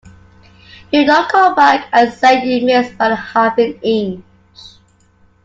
You don't come back and say you missed by half-an-inch.